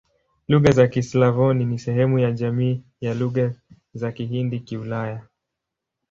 Lugha za Kislavoni ni sehemu ya jamii ya Lugha za Kihindi-Kiulaya.